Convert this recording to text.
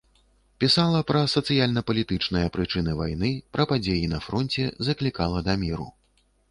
Пісала пра сацыяльна-палітычныя прычыны вайны, пра падзеі на фронце, заклікала да міру.